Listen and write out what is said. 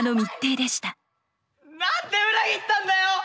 何で裏切ったんだよ？